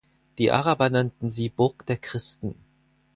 Die Araber nannten sie Burg der Christen.